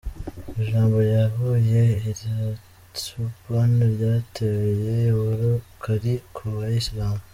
Ijambo yavugiye I Ratisbonne ryateye uburakari ku bayisilamu.